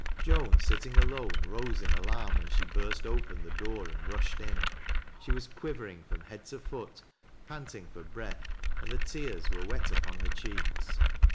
Joan, sitting alone, rose in alarm, when she burst open the door and rushed in. She was quivering from head to foot, panting for breath, and the tears were wet upon hfcr cheeks.